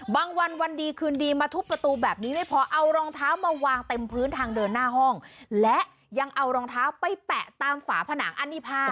วันวันดีคืนดีมาทุบประตูแบบนี้ไม่พอเอารองเท้ามาวางเต็มพื้นทางเดินหน้าห้องและยังเอารองเท้าไปแปะตามฝาผนังอันนี้ภาพ